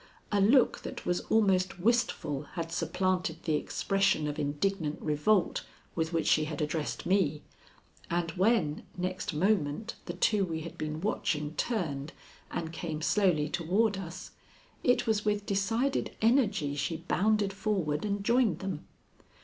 A look that was almost wistful had supplanted the expression of indignant revolt with which she had addressed me, and when next moment the two we had been watching turned and came slowly toward us, it was with decided energy she bounded forward and joined them.